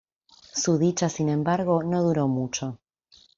Su dicha, sin embargo, no duró mucho.